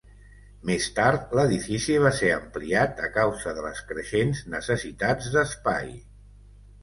Més tard l'edifici va ser ampliat a causa de les creixents necessitats d'espai.